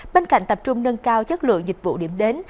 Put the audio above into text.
bên cạnh tập trung nâng cao chất lượng dịch vụ điểm đến